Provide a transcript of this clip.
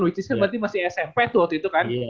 politis kan berarti masih smp tuh waktu itu kan